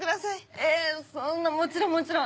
えそんなもちろんもちろん。